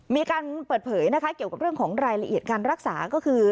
มีการเปิดเผยนะคะเกี่ยวกับเรื่องของรายละเอียดการรักษาก็คือ